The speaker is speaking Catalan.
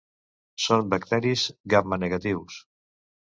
Són bacteris gramnegatius.